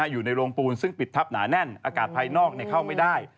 อยู่ในโรงปูนซึ่งปิดทับหนาแน่นอากาศภายนอกเข้าไม่ได้